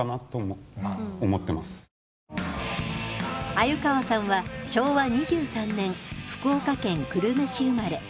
鮎川さんは昭和２３年福岡県久留米市生まれ。